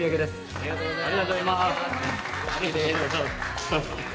ありがとうございます。